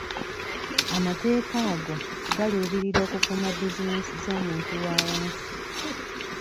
Amateeka ago galuubirira okukuuma bizinensi z'omuntu wa wansi.